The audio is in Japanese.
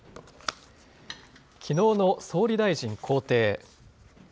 きのうの総理大臣公邸。